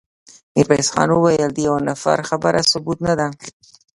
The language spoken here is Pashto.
ميرويس خان وويل: د يوه نفر خبره ثبوت نه ده.